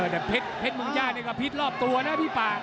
แต่เพชรมงญาเนี่ยก็พิษรอบตัวนะพี่ปาก